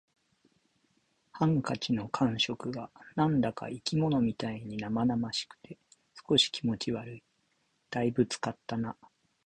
ハンカチの感触が何だか生き物みたいに生々しくて、少し気持ち悪い。「大分使ったな」